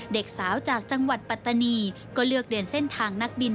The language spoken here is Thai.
เด็กสาวจากจังหวัดปัตตานีก็เลือกเดินเส้นทางนักบิน